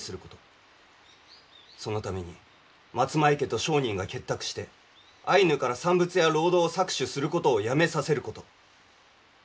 そのために松前家と商人が結託してアイヌから産物や労働を搾取することをやめさせること。